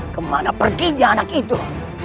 kemana pergi dia anak itu